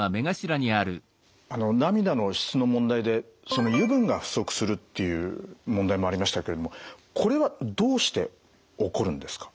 あの涙の質の問題で油分が不足するっていう問題もありましたけれどもこれはどうして起こるんですか？